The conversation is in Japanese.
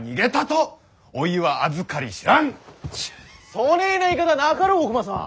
そねえな言い方はなかろう大隈さん。